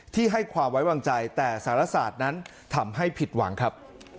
ที่ให้ความไว้วางใจแต่สารศาสตร์นั้นทำให้ผิดหวังครับ